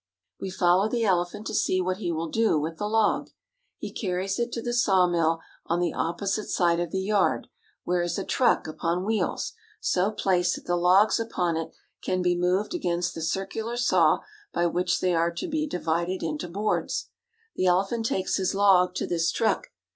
We follow the elephant to see what he will do with the log. He carries it to the sawmill on the opposite side of the yard where is a truck upon wheels, so placed that the logs upon it can be moved against the circular saw by which they are to be di vided into boards. The elephant takes his log to this truck.